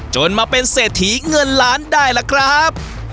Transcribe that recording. จนมาเป็นเศรษฐีเงินล้านได้ล่ะครับ